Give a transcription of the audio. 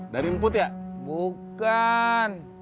dari mumput ya bukan